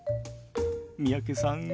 三宅さん